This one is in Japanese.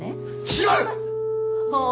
違う！